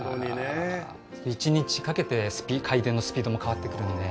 一日かけて回転のスピードも変わってくるので。